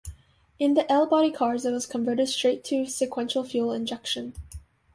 In the L-body cars it was converted straight to Sequential Fuel injection.